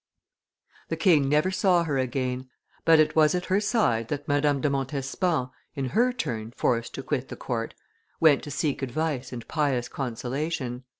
The king never saw her again, but it was at her side that Madame de Montespan, in her turn forced to quit the court, went to seek advice and pious consolation.